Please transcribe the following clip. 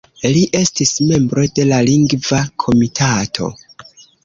Li estis membro de la Lingva Komitato.